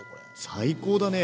最高だね！